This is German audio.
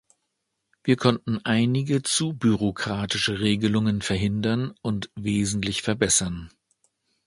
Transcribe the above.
Wir konnten einige zu bürokratische Regelungen verhindern und wesentlich verbessern.